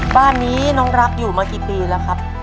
บ้านนี้น้องรักอยู่มากี่ปีแล้วครับ